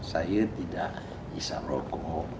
saya tidak bisa berlaku